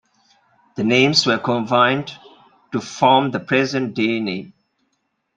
The names were combined to form the present-day name.